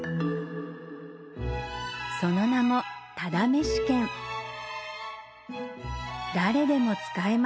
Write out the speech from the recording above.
その名もただめし券「誰でも使えます」